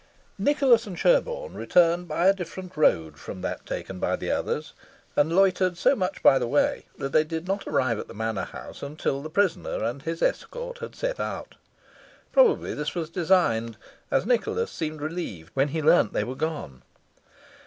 Nicholas and Sherborne returned by a different road from that taken by the others, and loitered so much by the way that they did not arrive at the manor house until the prisoner and his escort had set out. Probably this was designed, as Nicholas seemed relieved when he learnt they were gone.